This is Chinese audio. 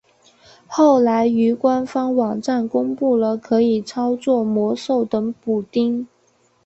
后来于官方网站公布了可以操作魔兽等补丁。